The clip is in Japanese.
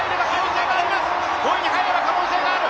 ５位に入れば可能性がある！